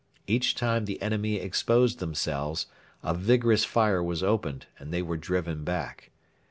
Each time the enemy exposed themselves, a vigorous fire was opened and they were driven back.